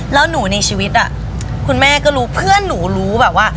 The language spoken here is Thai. แล้วหนูในชีวิตอ่ะคุณแม่ก็รู้เพื่อนหนูรู้แบบว่า